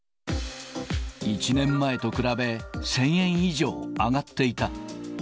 １年前と比べ、１０００円以上上がっていた。